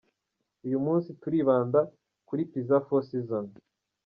Uyu munsi turibanda kuri Pizza Four Seasons.